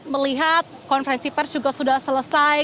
melihat konferensi pers juga sudah selesai